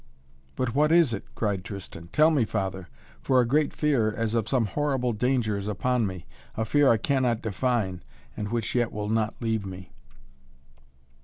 "But what is it?" cried Tristan. "Tell me, Father, for a great fear as of some horrible danger is upon me; a fear I cannot define and which yet will not leave me."